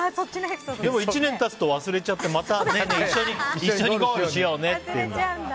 でも１年経つと忘れちゃってまた一緒にゴールしようねって。